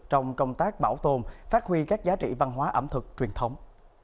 trong công tác bảo tồn phát huy các giá trị văn hóa ẩm thực truyền thống